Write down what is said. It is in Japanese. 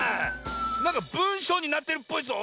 なんかぶんしょうになってるっぽいぞ。